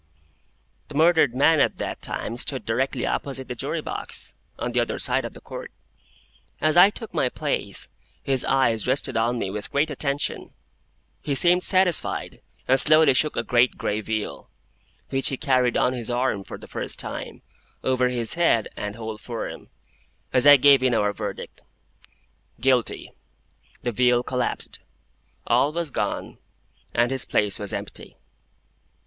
The murdered man at that time stood directly opposite the Jury box, on the other side of the Court. As I took my place, his eyes rested on me with great attention; he seemed satisfied, and slowly shook a great gray veil, which he carried on his arm for the first time, over his head and whole form. As I gave in our verdict, "Guilty," the veil collapsed, all was gone, and his place was empty.